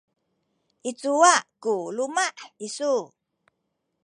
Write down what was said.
i cuwa ku luma’ isu?